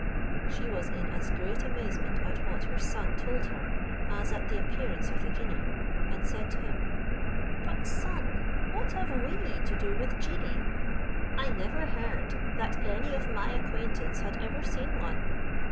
She was in as great amazement at what her son told her, as at the appearance of the genie; and said to him, "But, son, what have we to do with genii? I never heard that any of my acquaintance had ever seen one.